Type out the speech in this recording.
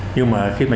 nhưng mà khi bắt đầu